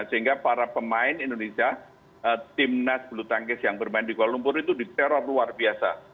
sehingga para pemain indonesia timnas bulu tangkis yang bermain di kuala lumpur itu diteror luar biasa